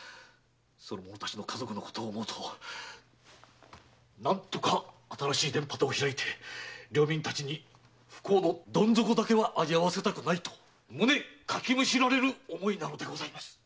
その者たちの家族のことを思うと何とか新しい田畑を開いて領民たちに不幸のドン底だけは味わわせたくないと胸かきむしられる思いなのでございます。